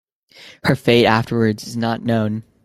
Her fate afterwards is not known.